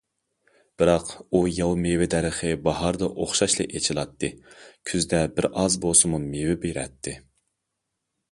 بىراق، ئۇ ياۋا مېۋە دەرىخى باھاردا ئوخشاشلا ئېچىلاتتى، كۈزدە بىرئاز بولسىمۇ مېۋە بېرەتتى.